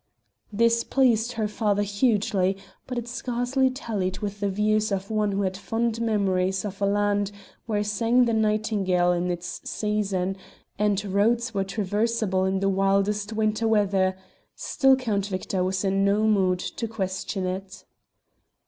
This pleased her father hugely, but it scarcely tallied with the views of one who had fond memories of a land where sang the nightingale in its season, and roads were traversable in the wildest winter weather; still Count Victor was in no mood to question it.